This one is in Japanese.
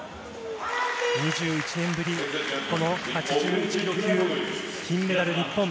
２１年ぶり、この８１キロ級、金メダル、日本。